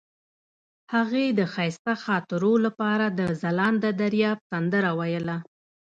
هغې د ښایسته خاطرو لپاره د ځلانده دریاب سندره ویله.